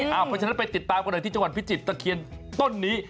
เพราะฉะนั้นไปติดตามกันหน่อยที่จังหวัดพิจิตรตะเคียนต้นนี้